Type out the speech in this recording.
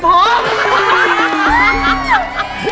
พ่อหมอ